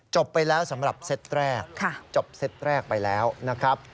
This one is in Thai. จบไปแล้วสำหรับเซตแรกจบเซตแรกไปแล้วนะครับ